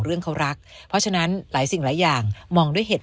เรื่องเขารักเพราะฉะนั้นหลายสิ่งหลายอย่างมองด้วยเหตุ